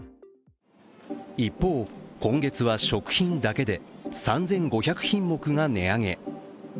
一方、今月は食品だけで３５００品目が値上げ。